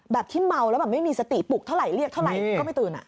ที่เมาแล้วแบบไม่มีสติปลุกเท่าไหเรียกเท่าไหร่ก็ไม่ตื่น